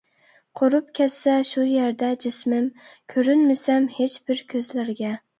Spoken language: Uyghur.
قۇرۇپ كەتسە شۇ يەردە جىسمىم، كۆرۈنمىسەم ھېچبىر كۆزلەرگە.